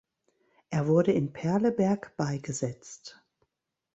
Er wurde in Perleberg beigesetzt.